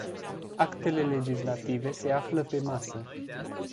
Actele legislative se află pe masă.